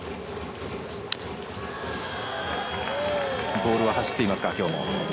ボールは走っていますかきょうも？